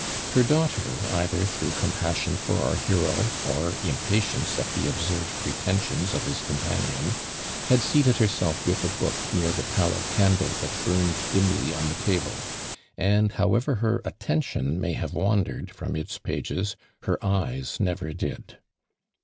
Her daughter either through compassion for our hero, or impatience at the absurd pretensions of his companion, had seated herself with a book near the tallow candle that burned dimly oti the table, and however her attention may have wandered from its pages, her eyes never did.